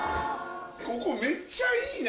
ここめっちゃいいな！